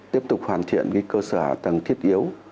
tiếp tục hoàn thiện cơ sở hạ tầng thiết yếu